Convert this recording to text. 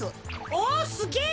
おすげえ！